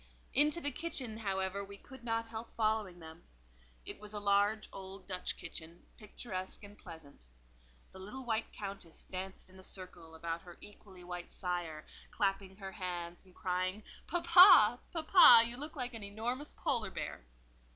Into the kitchen, however, we could not help following them: it was a large old Dutch kitchen, picturesque and pleasant. The little white Countess danced in a circle about her equally white sire, clapping her hands and crying, "Papa, papa, you look like an enormous Polar bear."